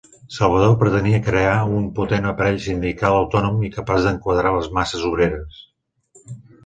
Salvador pretenia crear un potent aparell sindical autònom i capaç d'enquadrar les masses obreres.